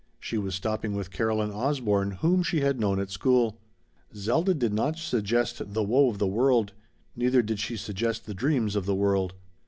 She was stopping with Caroline Osborne, whom she had known at school. Zelda did not suggest the woe of the world. Neither did she suggest the dreams of the world.